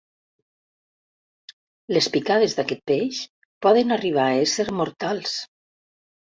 Les picades d'aquest peix poden arribar a ésser mortals.